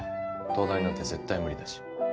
東大なんて絶対無理だし。